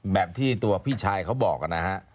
แบบที่ตัวพี่ชายเขาบอกนะฮะ